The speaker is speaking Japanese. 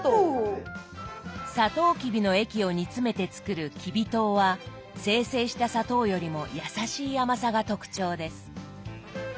サトウキビの液を煮詰めて作るきび糖は精製した砂糖よりもやさしい甘さが特徴です。